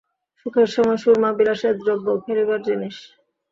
সুখের সময় সুরমা বিলাসের দ্রব্য, খেলিবার জিনিষ।